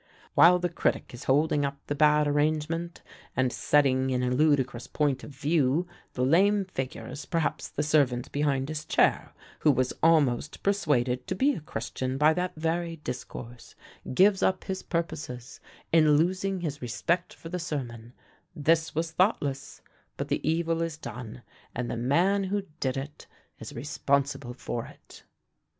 While the critic is holding up the bad arrangement, and setting in a ludicrous point of view the lame figures, perhaps the servant behind his chair, who was almost persuaded to be a Christian by that very discourse, gives up his purposes, in losing his respect for the sermon; this was thoughtless but the evil is done, and the man who did it is responsible for it."